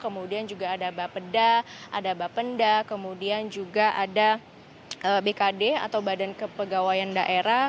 kemudian juga ada bapeda bapenda bkd atau badan kepegawaian daerah